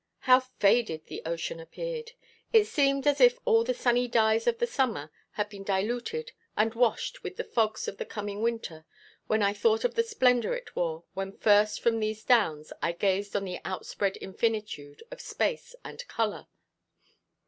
How faded the ocean appeared! It seemed as if all the sunny dyes of the summer had been diluted and washed with the fogs of the coming winter, when I thought of the splendour it wore when first from these downs I gazed on the outspread infinitude of space and colour.